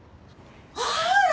あら！